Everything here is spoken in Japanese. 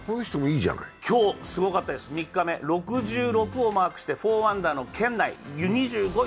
今日すごかったです、３日目、６６をマークして４アンダーの圏内、２５位